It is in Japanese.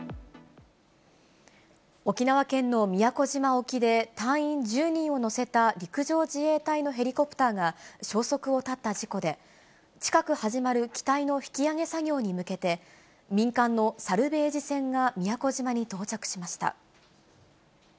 沖縄県の宮古島沖で、隊員１０人を乗せた陸上自衛隊のヘリコプターが、消息を絶った事故で、近く始まる機体の引き揚げ作業に向けて、民間のサルベージ船が宮古島に到着しました。